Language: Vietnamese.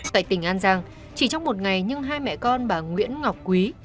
tại tỉnh an giang chỉ trong một ngày nhưng hai mẹ con bà nguyễn ngọc quý